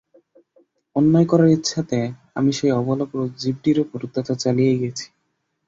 অন্যায় করার ইচ্ছাতেই আমি সেই অবলা জীবটির ওপর অত্যাচার চালিয়েই গিয়েছি।